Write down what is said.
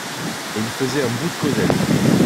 Et ils faisaient un bout de causette.